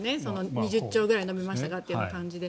２０兆ぐらい伸びましたがという感じで。